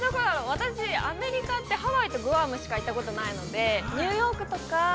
私、アメリカって、ハワイとグアムしか行ったことないので、ニューヨークとか。